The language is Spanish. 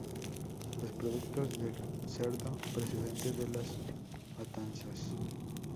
Los productos del cerdo procedentes de las matanzas.